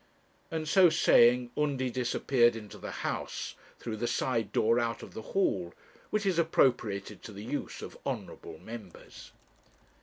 And so saying Undy disappeared into the House, through the side door out of the hall, which is appropriated to the use of honourable members.